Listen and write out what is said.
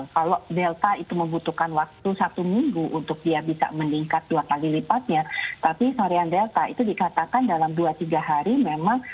kalau delta itu membutuhkan waktu satu minggu untuk dia bisa meningkat dua kali lipatnya tapi varian delta itu dikatakan dalam dua tiga hari memang